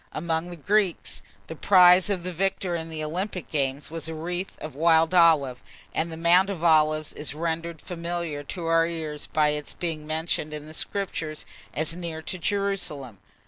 Among the Greeks, the prize of the victor in the Olympic games was a wreath of wild olive; and the "Mount of Olives" is rendered familiar to our ears by its being mentioned in the Scriptures as near to Jerusalem.